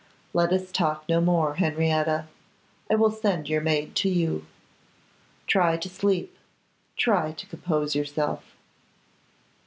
Let us talk no more. Henrietta, I will send your maid to you. Try to sleep; try to compose yourself.